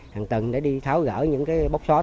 hàng tuần để đi tháo gỡ những cái bóc xóa